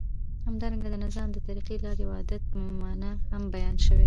همدارنګه د نظام د طریقی، لاری او عادت په معنی هم بیان سوی دی.